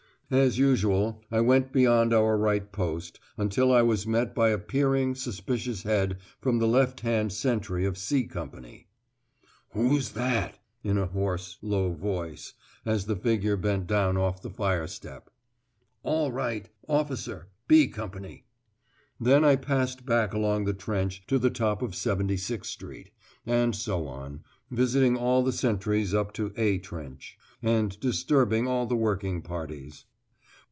As usual, I went beyond our right post, until I was met by a peering, suspicious head from the left hand sentry of "C" Company. "Who's that?" in a hoarse low voice, as the figure bent down off the fire step. "All right. Officer. 'B' Company." Then I passed back along the trench to the top of 76 Street; and so on, visiting all the sentries up to 80 A trench, and disturbing all the working parties.